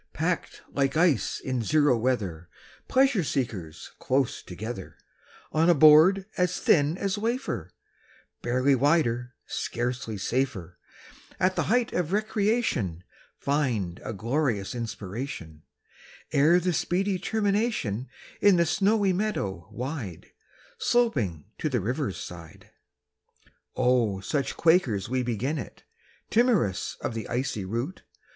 Packed like ice in zero weather, Pleasure seekers close together, On a board as thin as wafer, Barely wider, scarcely safer, At the height of recreation Find a glorious inspiration, Ere the speedy termination In the snowy meadow wide, Sloping to the river's side. Oh, such quakers we begin it, Timorous of the icy route!